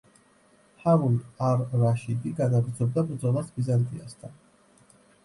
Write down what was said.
ჰარუნ არ-რაშიდი განაგრძობდა ბრძოლას ბიზანტიასთან.